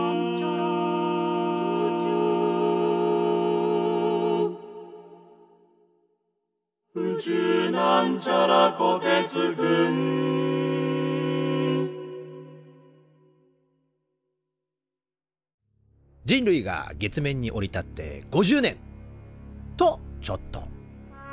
「宇宙」人類が月面に降り立って５０年！とちょっと。